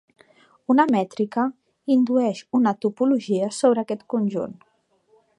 Una mètrica indueix una topologia sobre aquest conjunt.